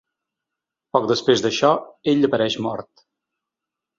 Poc després d’això, ell apareix mort.